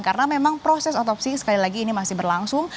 karena memang proses otopsi sekali lagi ini masih berlangsung